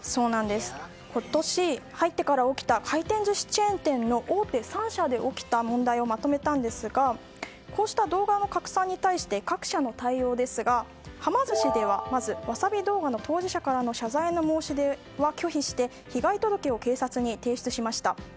今年に入ってから起きた回転寿司チェーン店の大手３社で起きた問題をまとめたんですがこうした動画の拡散に対して各社の対応ですがはま寿司では、ワサビ動画の当事者からの謝罪の申し出を拒否して被害届を警察に提出しました。